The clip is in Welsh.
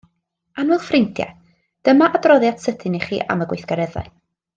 Annwyl ffrindie, dyma adroddiad sydyn i chi am y gweithgareddau.